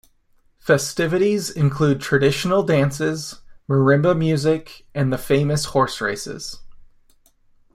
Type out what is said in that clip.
Festivities include traditional dances, marimba music and the famous horse races.